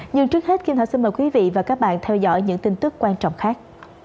nhưng trước hết kim thảo xin mời quý vị và các bạn theo dõi những tin tức quan trọng khác